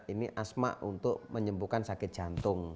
ini asma untuk menyembuhkan sakit jantung